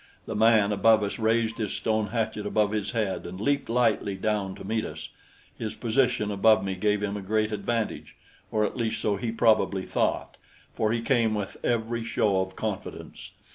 The man above us raised his stone hatchet above his head and leaped lightly down to meet us. His position above me gave him a great advantage, or at least so he probably thought, for he came with every show of confidence.